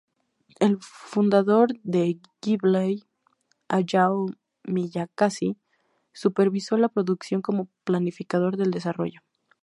El fundador de Ghibli, Hayao Miyazaki, supervisó la producción como planificador del desarrollo.